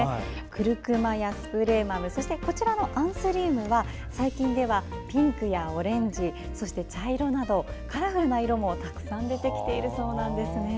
クルクマやスプレーマムそしてアンスリウムは最近ではピンクやオレンジそして茶色などカラフルな色もたくさん出てきているそうです。